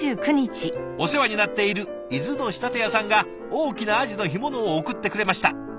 お世話になっている伊豆の仕立て屋さんが大きなアジの干物を送ってくれました。